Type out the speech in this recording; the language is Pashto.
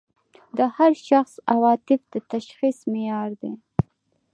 د هر شخص عواطف د تشخیص معیار دي.